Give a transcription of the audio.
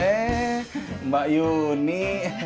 eh mbak yuni